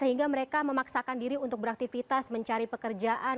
sehingga mereka memaksakan diri untuk beraktivitas mencari pekerjaan